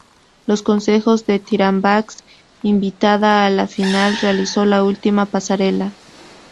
Con los consejos de Tyra Banks, invitada a la final, realizó la última pasarela.